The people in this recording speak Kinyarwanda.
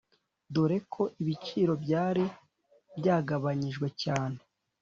dore ko ibiciro byari byagabanyijwe cyane